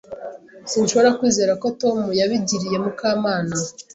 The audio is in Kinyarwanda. Sinshobora kwizera ko Tom yabigiriye Mukamana.